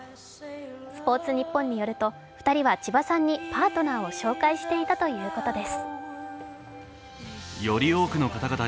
「スポーツニッポン」によると２人は千葉さんにパートナーを紹介していたということです。